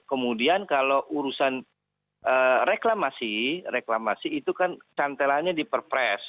kemudian kalau urusan reklamasi reklamasi itu kan cantelannya diperpres